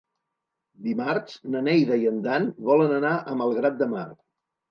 Dimarts na Neida i en Dan volen anar a Malgrat de Mar.